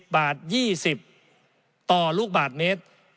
บาท๒๐ต่อลูกบาทเมตร